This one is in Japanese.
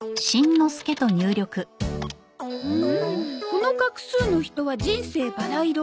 「この画数の人は人生バラ色。